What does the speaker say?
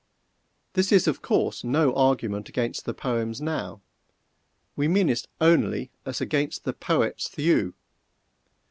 This is, of course, no argument against the poems now we mean it only as against the poets _thew.